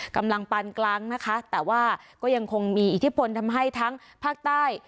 กำลังปานกลางนะคะแต่ว่าก็ยังคงมีอิทธิพลทำให้ทั้งภาคใต้